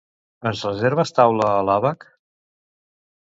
Ens reserves taula a l'ABaC?